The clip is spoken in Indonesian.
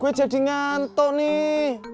gue jadi ngantok nih